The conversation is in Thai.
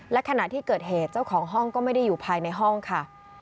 และขณะที่เกิดเหตุเจ้าของห้องก็ไม่ได้อยู่ภายในห้องค่ะ